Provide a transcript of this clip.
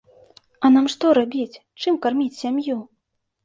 А нам што рабіць, чым карміць сям'ю?